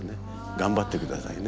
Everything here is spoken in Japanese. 頑張ってくださいね。